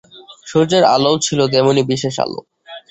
সূর্যের আলোও ছিল তেমনি বিশেষ আলো।